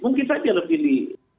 mungkin saja lebih di